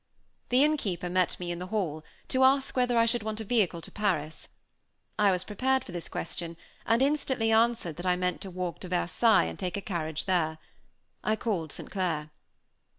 The innkeeper met me in the hall, to ask whether I should want a vehicle to Paris? I was prepared for this question, and instantly answered that I meant to walk to Versailles and take a carriage there. I called St. Clair.